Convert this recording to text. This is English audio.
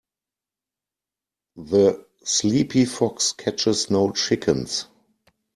The sleepy fox catches no chickens.